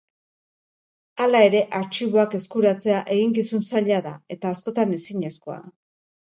Hala ere, artxiboak eskuratzea eginkizun zaila da eta askotan ezinezkoa.